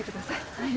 はい。